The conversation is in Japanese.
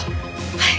はい。